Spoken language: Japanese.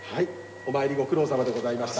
お参りご苦労さまでございました。